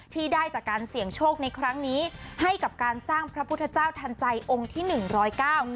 ที่ได้จากการเสี่ยงโชคในครั้งนี้ให้กับการสร้างพระพุทธเจ้าทันใจองค์ที่หนึ่งร้อยเก้า